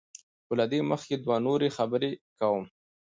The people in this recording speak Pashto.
خو له دې مخکې دوه نورې خبرې کوم.